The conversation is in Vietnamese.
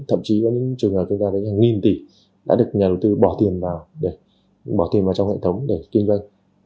tậm chí có những trường hợp chúng ta đến hàng nghìn tỷ đã được nhà đầu tư bỏ tiền vào trong hệ thống để kinh doanh